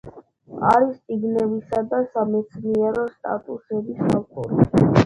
არის წიგნებისა და სამეცნიერო სტატიების ავტორი.